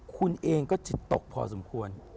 คุณเองก็จิตตกพอสมควร